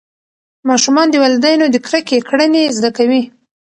ماشومان د والدینو د کرکې کړنې زده کوي.